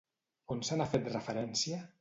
On se n'ha fet referència?